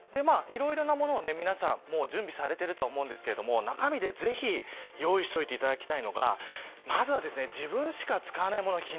いろいろなものを皆さん準備されていると思うんですが中身でぜひ用意しておいていただきたいのがまずは自分しか使わないもの。